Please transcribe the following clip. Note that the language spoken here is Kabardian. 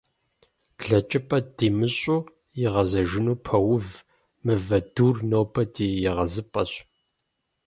Блэкӏыпӏэ димыщӏу игъэзэжыну пэув, мывэ дур нобэ ди егъэзыпӏэщ.